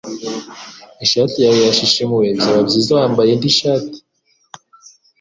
Ishati yawe yashishimuye Byaba byiza wambaye indi shati